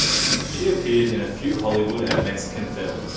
She appeared in a few Hollywood and Mexican films.